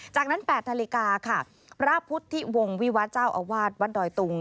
จากนั้น๘นาฬิกาค่ะพระพุทธิวงศ์วิวัตรเจ้าอาวาสวัดดอยตุง